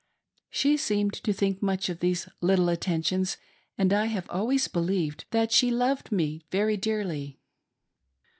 She seemed to think much of these little attentions, and I have always believed that she loved me very dearly.